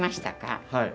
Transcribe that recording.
はい。